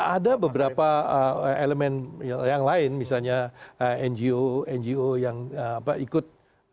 ada beberapa elemen yang lain misalnya ngo ngo yang ikut